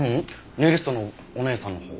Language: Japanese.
ネイリストのお姉さんのほう。